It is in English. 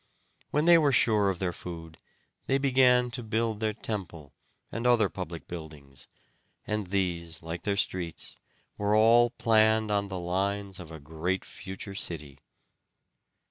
When they were sure of their food they began to build their temple and other public buildings, and these, like their streets, were all planned on the lines of a great future city.